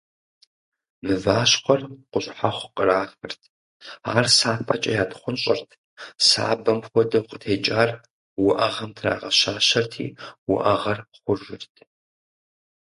Мыващхъуэр къущхьэхъу кърахырт, ар сапэкӀэ ятхъунщӀырт, сабэм хуэдэу къытекӀар уӀэгъэм трагъэщащэрти, уӀэгъэр хъужырт.